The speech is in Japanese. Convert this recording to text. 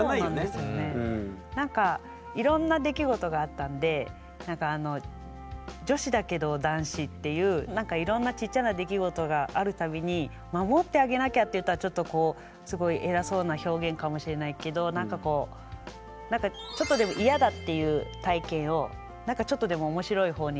何かいろんな出来事があったんで女子だけど男子っていういろんなちっちゃな出来事がある度に「守ってあげなきゃ」って言ったらちょっとこうすごい偉そうな表現かもしれないけど何かこうおもしろいほうに。